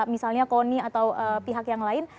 misalnya koni atau pihak yang lain